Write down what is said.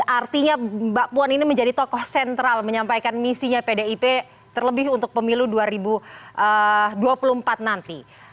artinya mbak puan ini menjadi tokoh sentral menyampaikan misinya pdip terlebih untuk pemilu dua ribu dua puluh empat nanti